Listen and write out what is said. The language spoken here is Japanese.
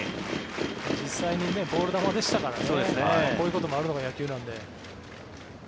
実際にボール球ですのでこういうこともあるのが野球なので。